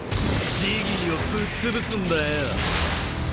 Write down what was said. ジギーをぶっつぶすんだよ。